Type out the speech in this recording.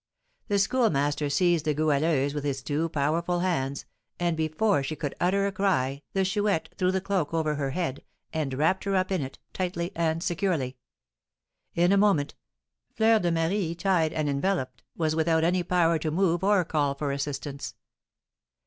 The Schoolmaster seized the Goualeuse in his two powerful hands, and before she could utter a cry the Chouette threw the cloak over her head, and wrapped her up in it, tightly and securely. In a moment, Fleur de Marie, tied and enveloped, was without any power to move or call for assistance.